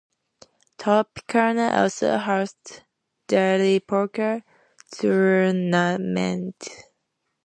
Tropicana also hosts daily poker tournaments.